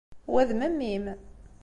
Wa d memmi-m.